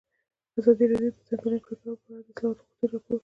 ازادي راډیو د د ځنګلونو پرېکول په اړه د اصلاحاتو غوښتنې راپور کړې.